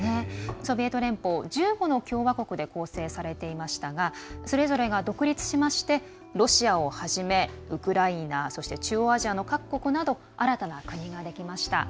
ソビエト連邦１５の共和国で構成されていましたがそれぞれが独立しましてロシアをはじめウクライナそして中央アジアの各国など新たな国ができました。